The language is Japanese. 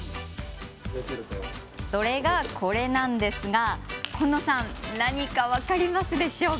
それが、これなんですが今野さん、何か分かりますか？